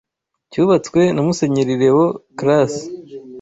cyubatswe na Musenyeri Léwo Clase